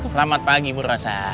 selamat pagi murasa